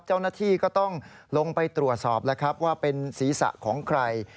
เจ้าหน้าที่ก็ต้องลงไปตรวจสอบแล้วครับว่าเป็นศีรษะของใคร